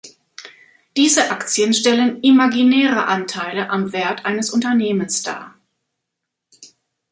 Diese Aktien stellen imaginäre Anteile am Wert eines Unternehmens dar.